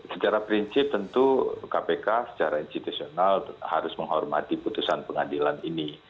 secara prinsip tentu kpk secara institusional harus menghormati putusan pengadilan ini